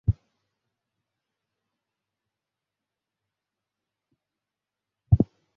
মেরুদণ্ডের উপর জোর না দিয়ে কটিদেশ, স্কন্ধ ও মাথা ঋজুভাবে রাখতে হবে।